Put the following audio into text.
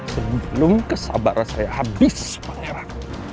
sebelum kesabaran saya habis pangeran